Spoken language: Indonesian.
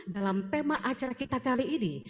dalam tema acara kita kali ini